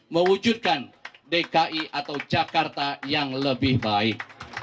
mewujudkan dki atau jakarta yang lebih baik